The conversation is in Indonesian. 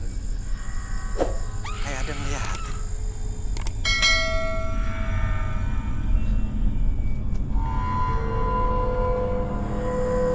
itu si cremek kain